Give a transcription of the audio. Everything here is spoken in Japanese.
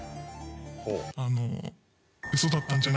「あの」